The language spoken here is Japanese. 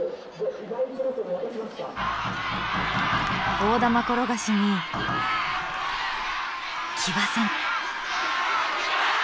大玉転がしに騎馬戦。